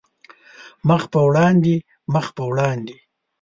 مخ په وړاندې، مخ په وړاندې